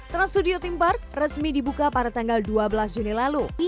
trans studio theme park resmi dibuka pada tanggal dua belas juni lalu